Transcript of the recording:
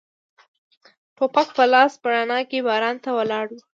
ټوپک په لاس په رڼا کې باران ته ولاړ و.